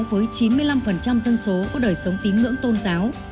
với chín mươi năm dân số có đời sống tín ngưỡng tôn giáo